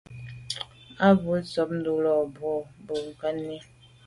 A be z’o tshob ndùlàlà mb’o bèn mbe nkagni.